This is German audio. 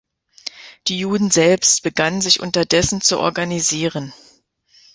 Die Juden selbst begannen sich unterdessen zu organisieren.